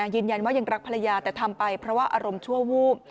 ยืนยันว่ายังรักภรรยาแต่ทำไปเพราะว่าอารมณ์ชั่ววูบ